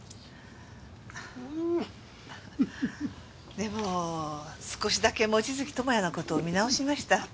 でも少しだけ望月友也の事を見直しました。